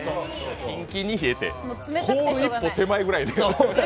キンキンに冷えて氷一歩手前ぐらい。